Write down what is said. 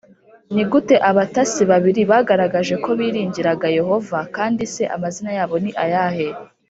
Ni gute abatasi babiri bagaragaje ko biringiraga Yehova kandi se amazina yabo ni ayahe